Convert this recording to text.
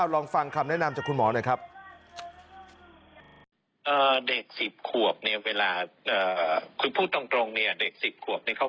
ลองฟังคำแนะนำจากคุณหมอหน่อยครับ